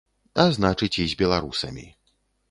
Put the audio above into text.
А значыць, і з беларусамі.